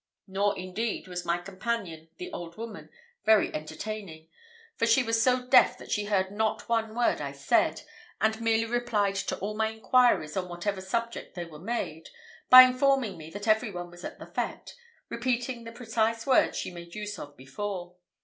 Nor, indeed, was my companion, the old woman, very entertaining; for she was so deaf that she heard not one word I said, and merely replied to all my inquiries, on whatever subject they were made, by informing me that every one was at the fête, repeating the precise words she made use of before.